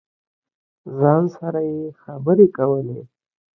ځان سره یې خبرې کولې.